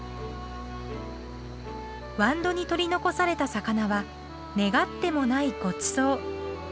ワンドに取り残された魚は願ってもないごちそう。